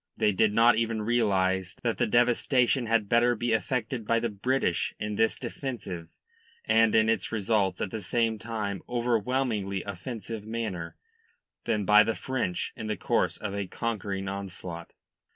They did not even realise that the devastation had better be effected by the British in this defensive and in its results at the same time overwhelmingly offensive manner than by the French in the course of a conquering onslaught.